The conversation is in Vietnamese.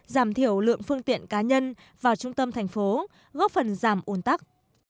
giảm thiểu lượng phương tiện cá nhân vào trung tâm thành phố góp phần giảm ồn tắc